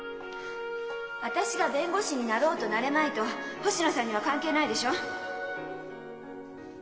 私が弁護士になろうとなれまいと星野さんには関係ないでしょ。